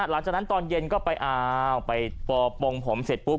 หลังจากนั้นตอนเย็นก็ไปอ้าวไปพอปงผมเสร็จปุ๊บ